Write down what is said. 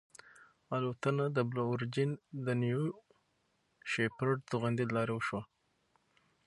الوتنه د بلو اوریجن د نیو شیپرډ توغندي له لارې وشوه.